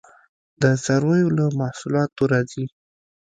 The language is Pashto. د څارویو له محصولاتو راځي